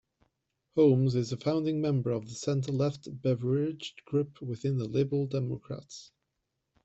Holmes is a founding member of the centre-left Beveridge Group within the Liberal Democrats.